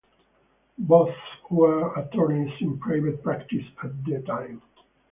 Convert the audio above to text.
Both were attorneys in private practice at the time.